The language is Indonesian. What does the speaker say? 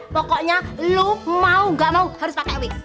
pokoknya lo mau gak mau harus pakai wix